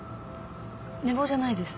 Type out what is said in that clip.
寝坊じゃないです。